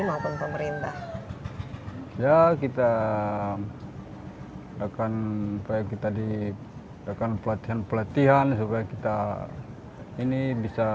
maupun pemerintah ya kita akan supaya kita di akan pelatihan pelatihan supaya kita ini bisa